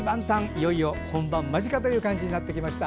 いよいよ本番間近という感じになってきました。